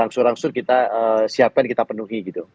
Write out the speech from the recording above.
rangsur rangsur kita siapkan kita penuhi gitu